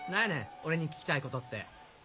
俺に聞きたいことって。